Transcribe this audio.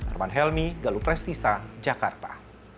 arman helmy galuh prestisa jakarta